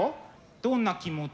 どんな気持ち？